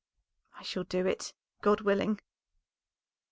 "I shall do it, God willing."